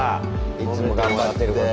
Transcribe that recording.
いつも頑張ってること。